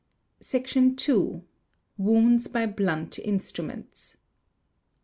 Section iiWounds by blunt instruments.